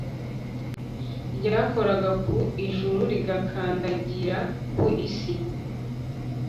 ryakoraga ku ijuru, rigakandagira ku isi.